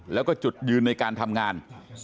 แล้วก็จุดยืนในการทำงาน